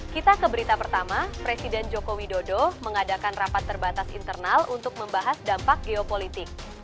kita ke berita pertama presiden joko widodo mengadakan rapat terbatas internal untuk membahas dampak geopolitik